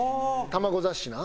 卵雑誌な。